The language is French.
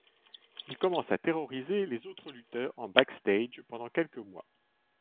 Il commence à terroriser les autres lutteurs en backstage pendant quelques mois.